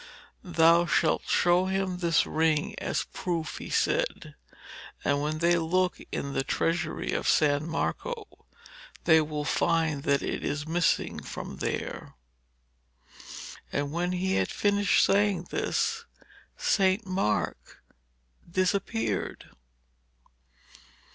'Thou shalt show them this ring as a proof,' he said; 'and when they look in the treasury of San Marco, they will find that it is missing from there.' And when he had finished saying this, St. Mark disappeared.